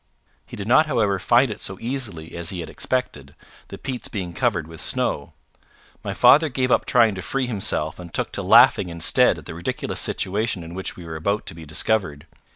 He did not however find it so easily as he had expected, the peats being covered with snow. My father gave up trying to free himself and took to laughing instead at the ridiculous situation in which we were about to be discovered.